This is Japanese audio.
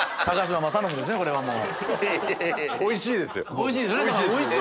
おいしいですよね。